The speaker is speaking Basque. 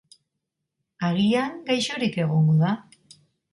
Agian gaixorik egongo da.